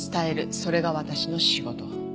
それが私の仕事。